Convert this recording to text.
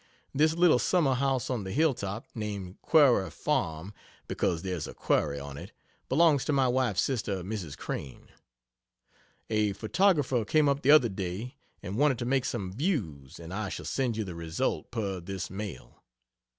This little summer house on the hill top (named Quarry Farm because there's a quarry on it,) belongs to my wife's sister, Mrs. Crane. A photographer came up the other day and wanted to make some views, and I shall send you the result per this mail.